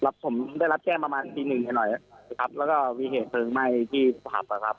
ผมได้รับแจ้งประมาณตีหนึ่งหน่อยครับแล้วก็มีเหตุเพลิงไหม้ที่ผับอ่ะครับ